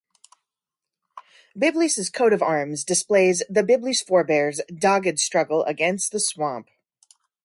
Biblis's coat of arms displays the Biblis forebears' dogged struggle against the swamp.